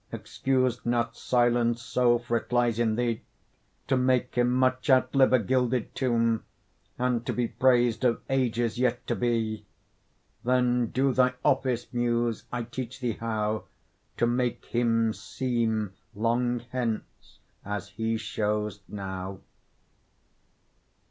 Excuse not silence so, for't lies in thee To make him much outlive a gilded tomb And to be prais'd of ages yet to be. Then do thy office, Muse; I teach thee how To make him seem long hence as he shows now.